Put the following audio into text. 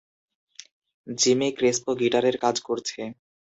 Jimmy Crespo গিটারের কাজ করছে।